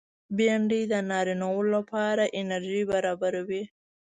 بېنډۍ د نارینه و لپاره انرژي برابروي